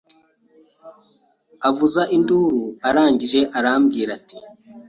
avuza induru arangije arambwira ati